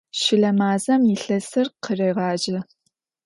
Щылэ мазэм илъэсыр къырегъажьэ.